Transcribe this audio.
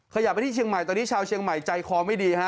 ขยับไปที่เชียงใหม่ตอนนี้ชาวเชียงใหม่ใจคอไม่ดีฮะ